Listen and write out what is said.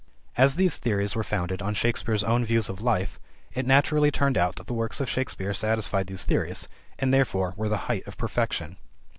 As these theories were founded on Shakespeare's own views of life, it naturally turned out that the works of Shakespeare satisfied these theories and therefore were the height of perfection.